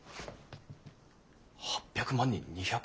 ８００万に２５０万？